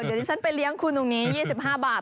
เดี๋ยวที่ฉันไปเลี้ยงคุณตรงนี้๒๕บาท